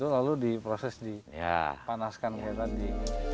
lalu di proses dipanaskan seperti tadi